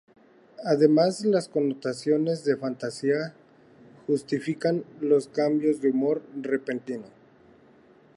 Además, las connotaciones de "fantasía" justifican los cambios de humor repentinos.